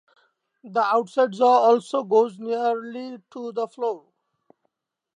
The outside jaw also goes nearly to the floor.